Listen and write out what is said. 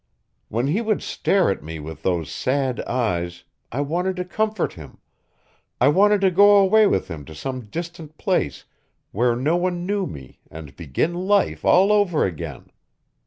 When he would stare at me with those sad eyes I wanted to comfort him, I wanted to go away with him to some distant place where no one knew me and begin life all over again.